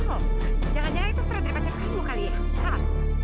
oh jangan jangan itu surat dari pacar kamu kali ya